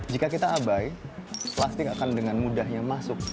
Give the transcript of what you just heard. jika kita abai plastik akan dengan mudahnya masuk